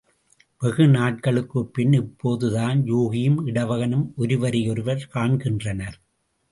வெகு நாட்களுக்குப்பின் இப்போது தான் யூகியும் இடவகனும் ஒருவரையொருவர் காண்கின்றனர்.